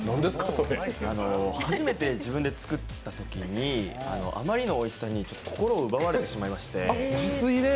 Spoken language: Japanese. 初めて自分で作ったときにあまりのおいしさにちょっと心を奪われてしまいまして。